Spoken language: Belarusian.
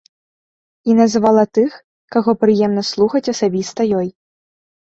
І назвала тых, каго прыемна слухаць асабіста ёй.